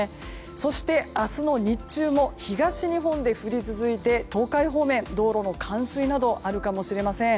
そして明日の日中も東日本で降り続いて東海方面、道路の冠水などあるかもしれません。